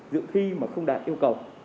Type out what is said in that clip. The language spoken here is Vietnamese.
dự thi mà không đạt yêu cầu